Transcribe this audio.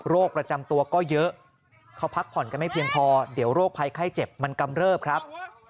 ประจำตัวก็เยอะเขาพักผ่อนกันไม่เพียงพอเดี๋ยวโรคภัยไข้เจ็บมันกำเริบครับ